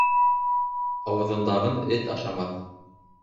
Ауыҙындағын эт ашамаҫ.